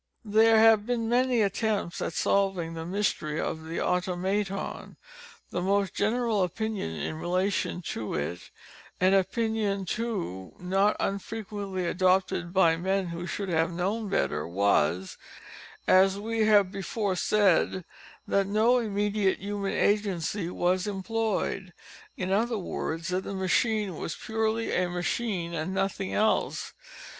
There have been many attempts at solving the mystery of the Automaton. The most general opinion in relation to it, an opinion too not unfrequently adopted by men who should have known better, was, as we have before said, that no immediate human agency was employed—in other words, that the machine was purely a machine and nothing else.